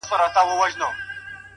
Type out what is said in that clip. o هېره مي يې؛